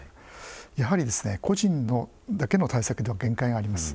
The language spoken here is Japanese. やはり個人だけの対策では限界があります。